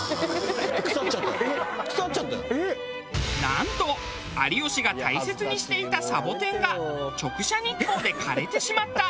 なんと有吉が大切にしていたサボテンが直射日光で枯れてしまった。